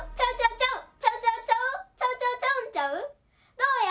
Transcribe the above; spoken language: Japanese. どうや？